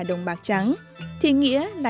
đồng bạc trắng thì nghĩa là